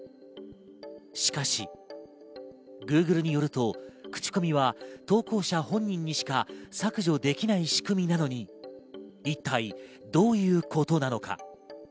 しかし、Ｇｏｏｇｌｅによると口コミは投稿者本人にしか削除できない仕組みなのに一体どういうことなのか。